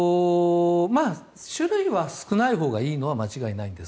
種類は少ないほうがいいのは間違いないです。